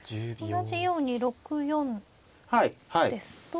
同じように６四ですと。